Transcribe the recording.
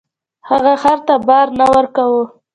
هغه خر ته بار نه ورکاوه.